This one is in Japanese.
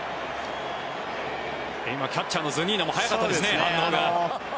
今、キャッチャーのズニーノも反応が早かったですね。